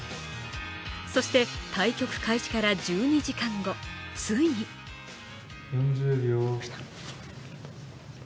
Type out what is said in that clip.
そして対局開始から１２時間後、ついにまいりました。